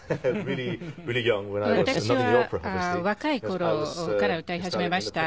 私は若い頃から歌い始めました。